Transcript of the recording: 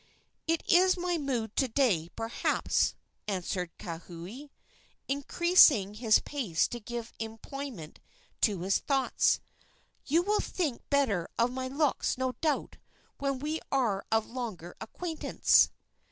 "It is my mood to day, perhaps," answered Kauhi, increasing his pace to give employment to his thoughts; "you will think better of my looks, no doubt, when we are of longer acquaintance."